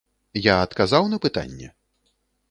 Я адказаў на пытанне?